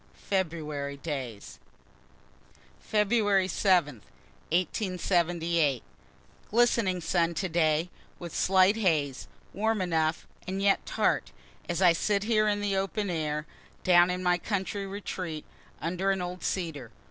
FEBRUARY DAYS February 7, 1878. Glistening sun today, with slight haze, warm enough, and yet tart, as I sit here in the open air, down in my country retreat, under an old cedar.